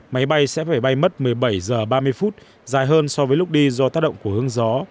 máy bay sẽ phải bay mất một mươi bảy h ba mươi phút dài hơn so với lúc đi do tác động của hương gió